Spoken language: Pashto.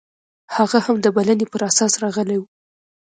هغه هم د بلنې پر اساس راغلی و.